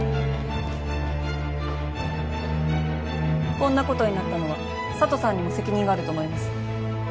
こんなことになったのは佐都さんにも責任があると思います。